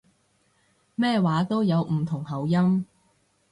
咩話都有唔同口音